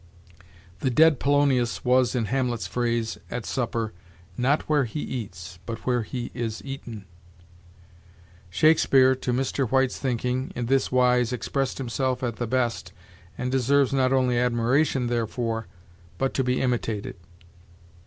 The dead Polonius was, in Hamlet's phrase, at supper, 'not where he eats, but where he is eaten.' Shakespeare, to Mr. White's thinking, in this wise expressed himself at the best, and deserves not only admiration therefor, but to be imitated.